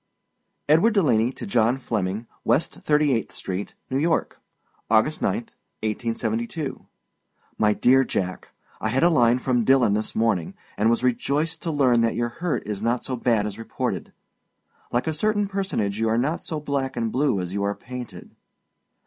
EDWARD DELANEY TO JOHN FLEMMING, WEST 38TH STREET, NEW YORK. August 9, 1872. My Dear Jack: I had a line from Dillon this morning, and was rejoiced to learn that your hurt is not so bad as reported. Like a certain personage, you are not so black and blue as you are painted.